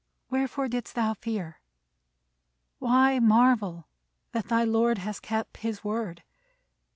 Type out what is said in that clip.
Wherefore didst thou fear? Why marvel that thy Lord hath kept his word?